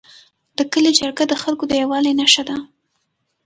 د کلي جرګه د خلکو د یووالي نښه ده.